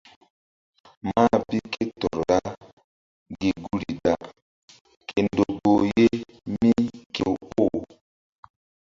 Mah bi ké tɔr ra gi guri da ke ndo goh ye mí kew oh.